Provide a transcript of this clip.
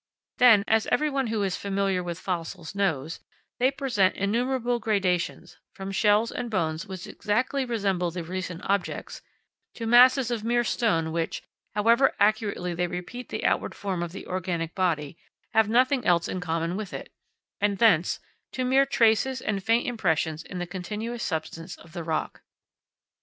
Then, as every one who is familiar with fossils knows, they present innumerable gradations, from shells and bones which exactly resemble the recent objects, to masses of mere stone which, however accurately they repeat the outward form of the organic body, have nothing else in common with it; and, thence, to mere traces and faint impressions in the continuous substance of the rock.